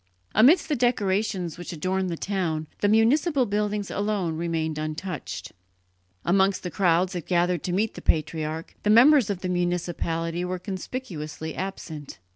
Amidst the decorations which adorned the town, the municipal buildings alone remained untouched; amongst the crowds that gathered to meet the patriarch, the members of the municipality were conspicuously absent.